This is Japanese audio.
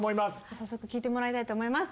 早速聴いてもらいたいと思います。